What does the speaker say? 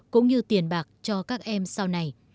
cũng như tiền bạc cho các em sau này